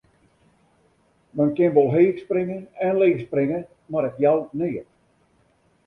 Men kin wol heech springe en leech springe, mar it jout neat.